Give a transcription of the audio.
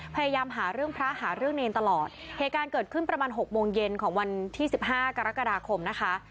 พยายามหาเรื่องพระหาเรื่องเนรตลอดเหตุการณ์เกิดขึ้นประมาณหกโมงเย็นของวันที่สิบห้ากรกฎาคมนะคะ